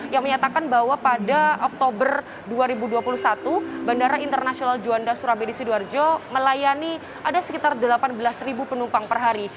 yang menyatakan bahwa pada oktober dua ribu dua puluh satu bandara internasional juanda surabaya di sidoarjo melayani ada sekitar delapan belas penumpang per hari